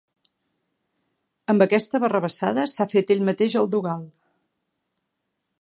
Amb aquesta barrabassada s'ha fet ell mateix el dogal!